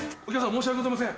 申し訳ございません。